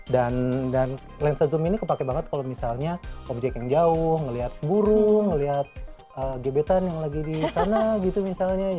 dan lensa zoom ini kepake banget kalau misalnya objek yang jauh ngelihat burung ngelihat gebetan yang lagi di sana gitu misalnya